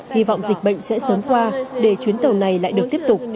hy vọng dịch bệnh sẽ sớm qua để chuyến tàu này lại được tiếp tục